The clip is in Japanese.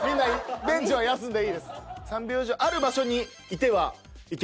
ベンチは休んでいいです。